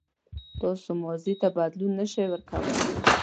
تاسو ماضي ته بدلون نه شئ ورکولای.